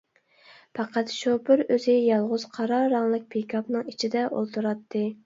پەقەت شوپۇر ئۆزى يالغۇز قارا رەڭلىك پىكاپنىڭ ئىچىدە ئولتۇراتتى.